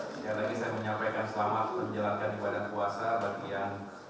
sekali lagi saya menyampaikan selamat menjalankan ibadah puasa bagi yang